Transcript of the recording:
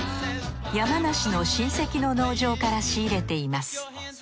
山梨の親戚の農場から仕入れています。